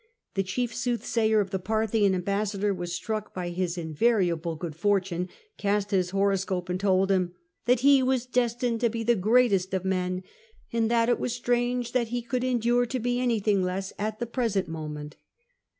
The chief soothsayer of the Parthian ambas sador was struck by his invariable good fortune, cast his horoscope, and told him that he was destined to be the greatest of men, and that it was strange that he could endure to be anything less at the present moment."